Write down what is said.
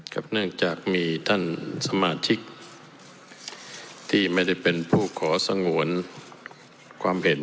เนื่องจากมีท่านสมาชิกที่ไม่ได้เป็นผู้ขอสงวนความเห็น